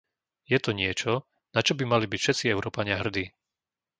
Je to niečo, na čo by mali byť všetci Európania hrdí.